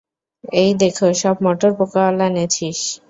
এই দেখ, সব মটর পোঁকাওয়ালা এনেছিস।